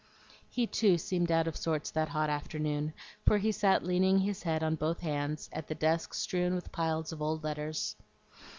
He too seemed out of sorts that hot afternoon, for he sat leaning his head on both hands at the desk strewn with piles of old letters.